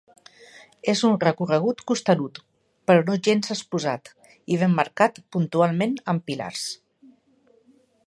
És un recorregut costerut, però no gens exposat i ben marcat puntualment amb pilars.